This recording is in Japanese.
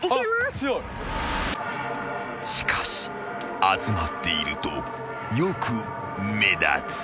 ［しかし集まっているとよく目立つ］